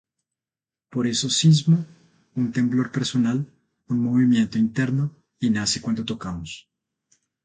Por eso Sismo, un temblor personal, un movimiento interno, y nace cuando tocamos".